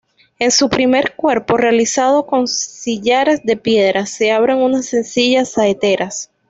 En su primer cuerpo realizado con sillares de piedra, se abren unas sencillas saeteras.